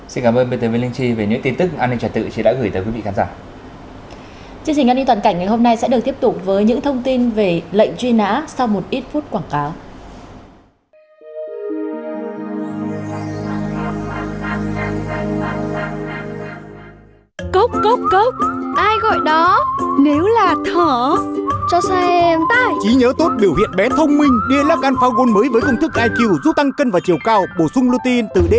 xin cảm ơn biên tập viên linh chi về những tin tức an ninh trật tự